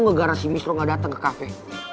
nge garasi mistro gak dateng ke kafe